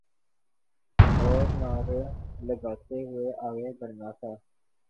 اورنعرے لگاتے ہوئے آگے بڑھنا تھا۔